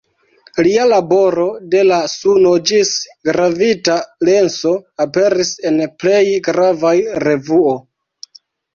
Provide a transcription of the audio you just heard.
Lia laboro, de la Suno ĝis gravita lenso, aperis en plej gravaj revuo.